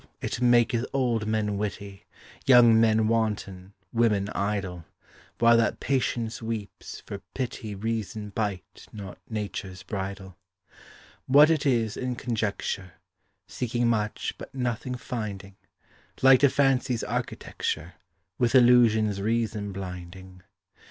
it maketh old men witty, Young men wanton, women idle, While that patience weeps, for pity Reason bite not nature's bridle. What it is, in conjecture; Seeking much, but nothing finding; Like to fancy's architecture With illusions reason blinding.